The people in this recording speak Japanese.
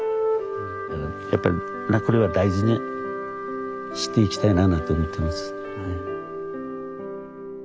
やっぱりこれは大事にしていきたいななんて思ってます。